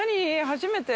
初めて。